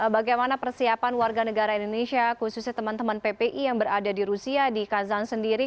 bagaimana persiapan warga negara indonesia khususnya teman teman ppi yang berada di rusia di kazan sendiri